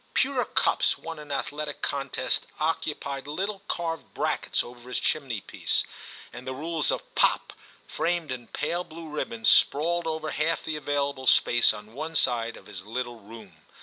Pewter cups won in athletic con tests occupied little carved brackets over his chimney piece, and the rules of ' Pop * framed in pale blue ribbon sprawled over half the available space on one side of his little room.